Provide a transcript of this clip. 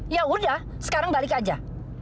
yaudah sekarang balik aja